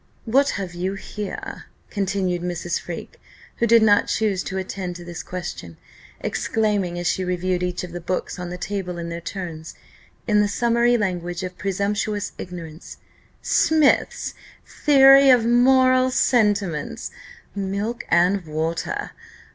"What have you here?" continued Mrs. Freke, who did not choose to attend to this question; exclaiming, as she reviewed each of the books on the table in their turns, in the summary language of presumptuous ignorance, "Smith's Theory of Moral Sentiments milk and water!